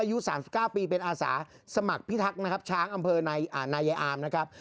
อายุ๓๙ปีเป็นอาสาสมัครพิทักษ์นะครับช้างอำเภอนายอามนะครับ